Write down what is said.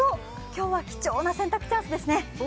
今日は貴重な洗濯チャンスですね。